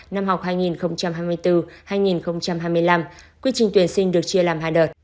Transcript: năm học hai nghìn hai mươi bốn hai nghìn hai mươi năm quy trình tuyển sinh được chia làm hai đợt